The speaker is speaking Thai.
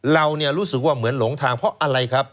เรารู้สึกว่าเหมือนหลงทางเพราะอะไรครับ